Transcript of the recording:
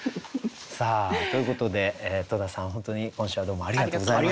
さあということで戸田さん本当に今週はどうもありがとうございました。